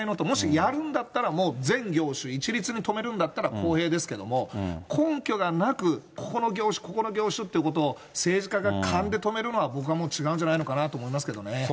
もしやるんだったら、もう全業種一律に止めるんだったら公平ですけれども、根拠がなく、ここの業種、ここの業種ということで政治家が勘で止めるのは、僕はもう違うんじゃないのかなと思うんですけどね。